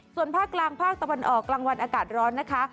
ส่วนภาคกลางภาคตะวันออกกลางวันอากาศร้อนนะคะ